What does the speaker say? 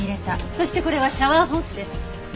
そしてこれはシャワーホースです。